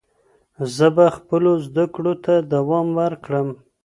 زه به خپلو زده کړو ته دوام ورکړم.